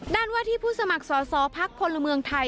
ว่าที่ผู้สมัครสอสอพักพลเมืองไทย